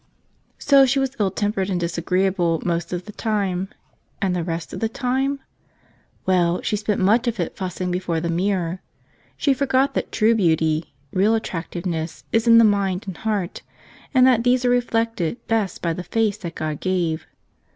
So she was ill tempered and disagreeable most of the time. And the rest of the time? Well, she spent much of it fussing before the mirror. She forgot that true beauty, real attractiveness, is in the mind and heart, and that these are reflected best by the face that God gave.